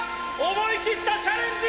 思い切ったチャレンジ